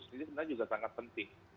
ini sebenarnya juga sangat penting